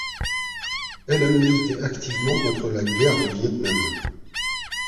Elle a milité activement contre la guerre du Vietnam.